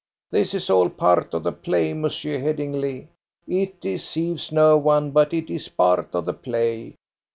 This is all part of the play, Monsieur Headingly. It deceives no one, but it is part of the play.